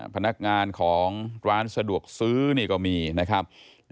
พนักงานของร้านสะดวกซื้อนี่ก็มีนะครับ